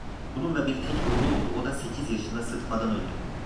Bunun da bir tek oğlu oldu, o da sekiz yaşında sıtmadan öldü.